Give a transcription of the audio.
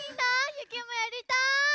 ゆきもやりたい！